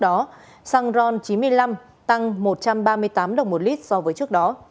một trăm ba mươi tám đồng một lít so với trước đó